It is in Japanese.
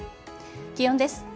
気温です。